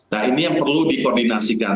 nah ini yang perlu dikoordinasikan